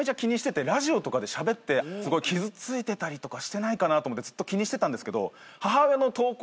ラジオとかでしゃべって傷ついてたりとかしてないかなと思ってずっと気にしてたんですけど。